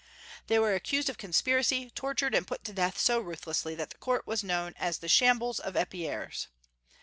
They were accused of conspiracy, tortured, and put to death so ruthlessly that the court was known as the Shambles of Eperies.